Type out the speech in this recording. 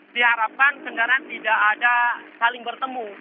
diharapkan kendaraan tidak ada saling bertemu